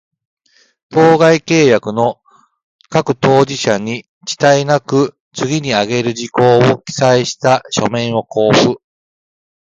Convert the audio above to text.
当該契約の各当事者に、遅滞なく、次に掲げる事項を記載した書面を交付